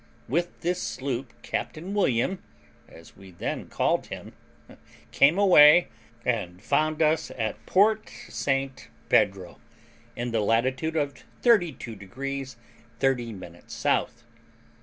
With this sloop Captain William, as we then called him, came away, and found us at Port St Pedro, in the latitude of 32 degrees 30 minutes south.